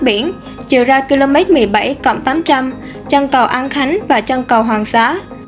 biển chiều ra km một mươi bảy tám trăm linh chân cầu an khánh và chân cầu hoàng xá